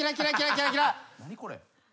何これ？